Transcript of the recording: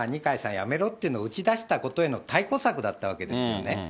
辞めろっていうのを打ち出したことへの対抗策だったわけですよね。